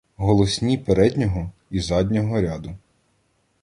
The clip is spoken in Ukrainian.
Голосні переднього і заднього ряду